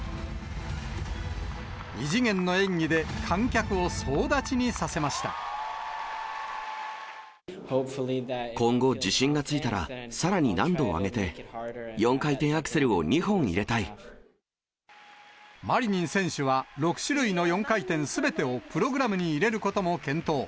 異次元の演技で、今後、自信がついたら、さらに難度を上げて、マリニン選手は、６種類の４回転すべてをプログラムに入れることも検討。